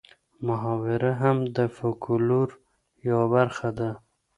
محاوره هم د فولکلور یوه برخه ده